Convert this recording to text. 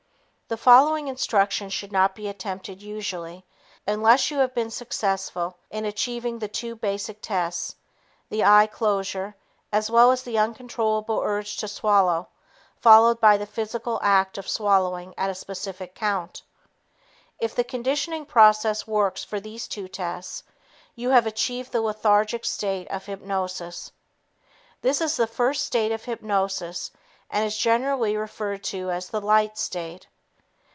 The following instructions should not be attempted usually unless you have been successful in achieving the two basic tests the eye closure as well as the uncontrollable urge to swallow followed by the physical act of swallowing at a specific count. If the conditioning process works for these two tests, you have achieved the lethargic state of hypnosis. This is the first state of hypnosis and is generally referred to as the "light" state.